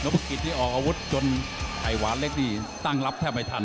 ตอนยกนี่นพกิษนี่ออกอาวุธกันไข้หวานแรกนี้ตั้งรับแค่ไม่ทัน